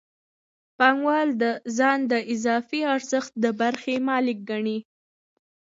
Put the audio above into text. پانګوال ځان د اضافي ارزښت د برخې مالک ګڼي